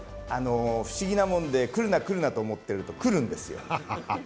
不思議なもので、来るな来るなと思ってると、来るんですよ。